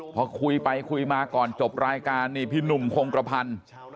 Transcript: พอคุยไปคุยมาก่อนจบรายการนี่พี่หนุ่มคงกระพันธ์